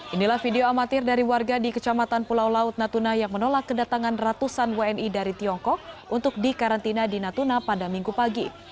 inilah video amatir dari warga di kecamatan pulau laut natuna yang menolak kedatangan ratusan wni dari tiongkok untuk dikarantina di natuna pada minggu pagi